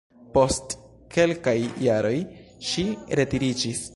Post kelkaj jaroj ŝi retiriĝis.